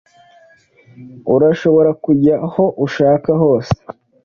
Urashobora kujya aho ushaka hose.